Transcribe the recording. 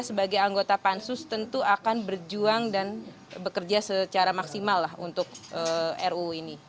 sebagai anggota pansus tentu akan berjuang dan bekerja secara maksimal untuk ruu ini